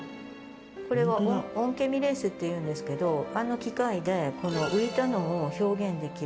これはオンケミレースっていうんですけどあの機械で浮いたのを表現できる。